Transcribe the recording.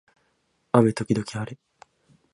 雨時々はれ